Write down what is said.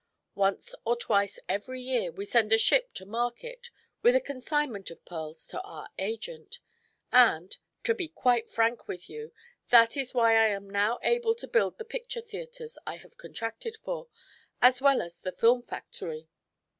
Once or twice every year we send a ship to market with a consignment of pearls to our agent, and to be quite frank with you that is why I am now able to build the picture theatres I have contracted for, as well as the film factory."